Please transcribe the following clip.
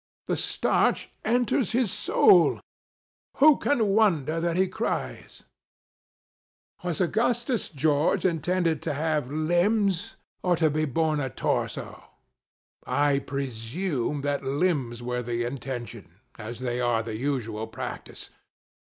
The starch enters his soul ; who can wonder that he cries 1 Was Augustus George intended to have limbs, or to be born a Torso } I presume that limbs were the intention, as the'y are the usual practice.